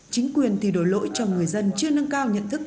chính quyền thì đổi lỗi cho người dân chưa nâng cao nhận thức